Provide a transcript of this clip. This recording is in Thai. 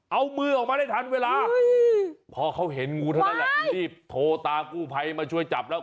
เอามือออกมาได้ทันเวลาพอเขาเห็นงูเท่านั้นแหละรีบโทรตามกู้ภัยมาช่วยจับแล้ว